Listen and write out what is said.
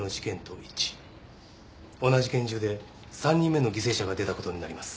同じ拳銃で３人目の犠牲者が出たことになります